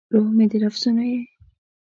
روح مې د لفظونو یې